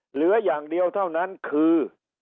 เหลืออย่างเดียวเท่านั้นคือ